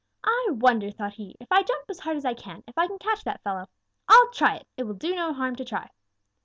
'I wonder,' thought he, 'if I jump as hard as I can, if I can catch that fellow. I'll try it. It will do no harm to try.'